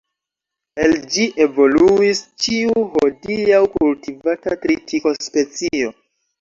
El ĝi evoluis ĉiu hodiaŭ kultivata tritiko-specio.